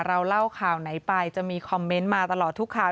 เล่าข่าวไหนไปจะมีคอมเมนต์มาตลอดทุกข่าว